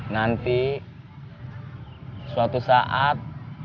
nanti suatu saat